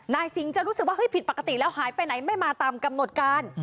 สิงห์จะรู้สึกว่าผิดปกติแล้วหายไปไหนไม่มาตามกำหนดการ